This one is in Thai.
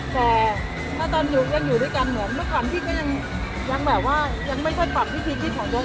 แต่ถ้าตอนนี้ยังอยู่ด้วยกันเหมือนเมื่อก่อนพี่ก็ยังไม่ใช่ปรับพิธีของตัวเอง